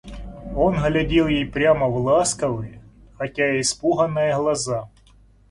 Он глядел ей прямо в ласковые, хотя и испуганные глаза.